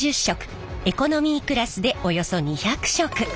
エコノミークラスでおよそ２００食。